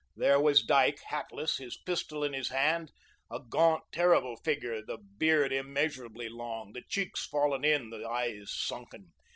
There was Dyke, hatless, his pistol in his hand, a gaunt terrible figure the beard immeasurably long, the cheeks fallen in, the eyes sunken.